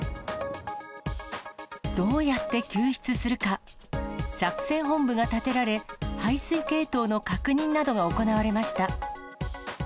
どうやって救出するか、作戦本部が立てられ、排水系統の確認などが行われました。